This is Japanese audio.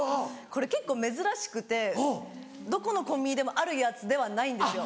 これ結構珍しくてどこのコンビニでもあるやつではないんですよ。